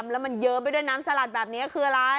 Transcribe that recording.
แล้วมันเยิ้มไปด้วยน้ำสลัดแบบนี้คืออะไร